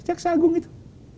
jaksa agung itu